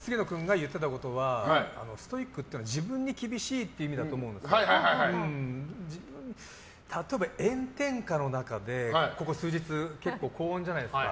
お二人って言ってましたねストイックな生活つまり杉野君が言ってたことはストイックっていうのは自分に厳しいって意味だと思うんですけど例えば、炎天下の中でここ数日結構、高温じゃないですか。